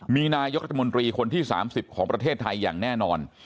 มีนายกรัฐมนตรีคนที่๓๐ของประเทศไทยอย่างแน่นอน